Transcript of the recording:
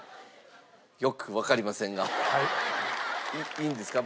いいんですか？